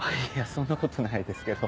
そんなことないですけど。